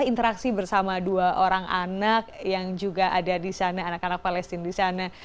interaksi bersama dua orang anak yang juga ada di sana anak anak palestina di sana